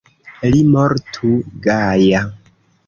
Li mortu gaja.